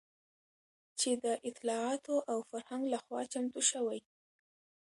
چې د اطلاعاتو او فرهنګ لخوا چمتو شوى